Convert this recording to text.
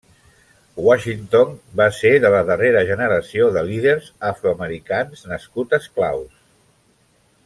Washington va ser de la darrera generació de líders afroamericans nascuts esclaus.